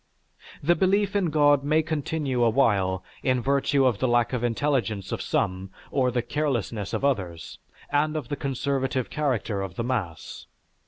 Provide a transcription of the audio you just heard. The belief in God may continue awhile in virtue of the lack of intelligence of some, of the carelessness of others, and of the conservative character of the mass.